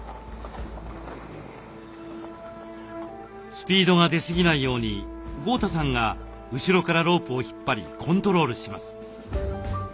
スピードが出すぎないように豪太さんが後ろからロープを引っ張りコントロールします。